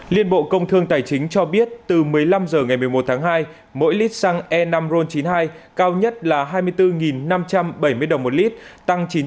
liên bộ công thương tài chính cho biết từ một mươi năm giờ ngày một mươi một tháng hai mỗi lít xăng e năm ron chín mươi hai cao nhất là hai mươi bốn năm trăm bảy mươi đồng một lít tăng chín trăm tám mươi đồng